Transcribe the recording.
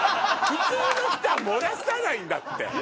普通の人は漏らさないんだって。